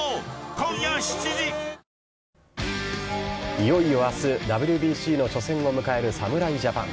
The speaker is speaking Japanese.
いよいよ明日ＷＢＣの初戦を迎える侍ジャパン。